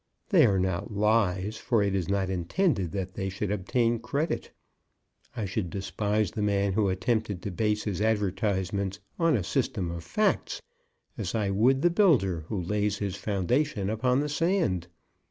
They are not lies; for it is not intended that they should obtain credit. I should despise the man who attempted to base his advertisements on a system of facts, as I would the builder who lays his foundation upon the sand.